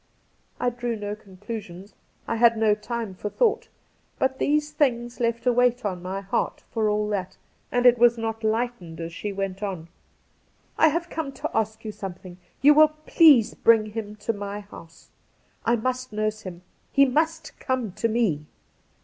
I drew no conclusions — I had no time for thought ; but these things left a weight on my heart for aU that, and it was not lightened as she went on. ' I have come to ask you something. You wiU please bring him to my house. I must nurse him! He must come to me